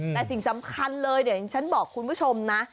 แต่สิ่งสำคัญเลยเดี๋ยวฉันบอกคุณผู้ชมนะ